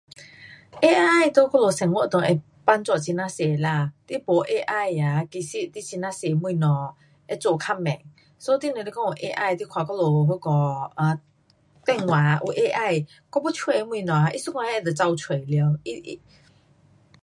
AI 在我们生活中会帮助很呀多啦，你没 AI 啊，其实你很呀多东西会做较慢慢，so 你若是讲有 AI, 你看我们那个，啊电话啊，有 AI，我要找的东西啊，它一下子就跑出了。它它